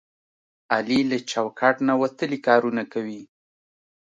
علي له چوکاټ نه وتلي کارونه کوي.